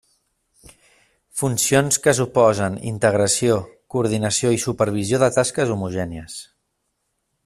Funcions que suposen integració, coordinació i supervisió de tasques homogènies.